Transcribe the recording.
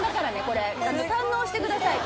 これ堪能してください